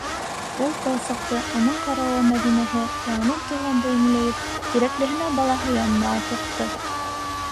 Ул талсыҡты, уның ҡарауы Мәҙинәһе, яңынан тыуғандай еңеләйеп, Тирәклеһенә - балаһы янына атлыҡты.